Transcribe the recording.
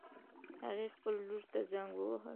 هغې خپل لور ته زنګ ووهله